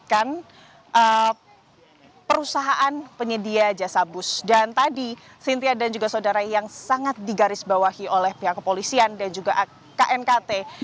perusahaan penyedia jasa bus dan tadi cynthia dan juga saudara yang sangat digarisbawahi oleh pihak kepolisian dan juga knkt